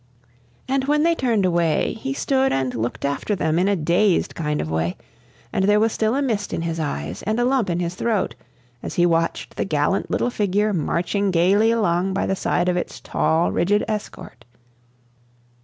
And when they turned away he stood and looked after them in a dazed kind of way, and there was still a mist in his eyes, and a lump in his throat, as he watched the gallant little figure marching gayly along by the side of its tall, rigid escort.